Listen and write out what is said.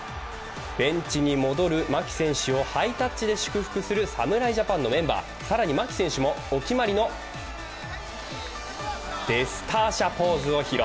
ベンチに戻る牧選手をハイタッチで祝福する侍ジャパンのメンバー、更に牧選手もお決まりのポーズを披露。